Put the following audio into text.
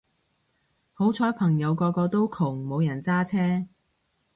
好彩朋友個個都窮冇人揸車